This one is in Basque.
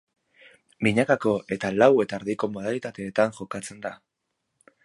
Binakako eta lau eta erdiko modalitateetan jokatzen da.